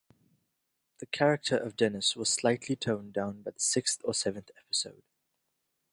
The character of Dennis was slightly toned down by the sixth or seventh episode.